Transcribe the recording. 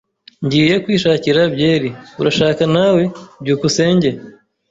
Ngiye kwishakira byeri. Urashaka nawe? byukusenge